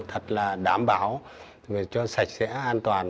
thật là đảm bảo cho sạch sẽ an toàn